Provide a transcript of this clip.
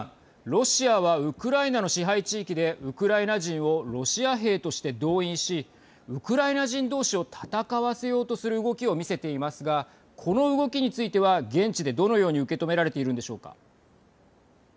ロシアはウクライナの支配地域でウクライナ人をロシア兵として動員しウクライナ人同士を戦わせようとする動きを見せていますがこの動きについては現地でどのように受け止められているんでしょうか。